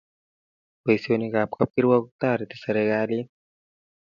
Poisionik ab kapkirwa tariti serikalit.